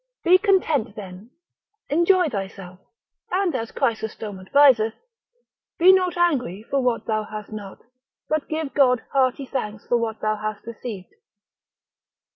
Be content then, enjoy thyself, and as Chrysostom adviseth, be not angry for what thou hast not, but give God hearty thanks for what thou hast received.